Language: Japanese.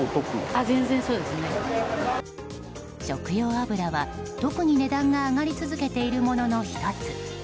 食用油は、特に値段が上がり続けているものの１つ。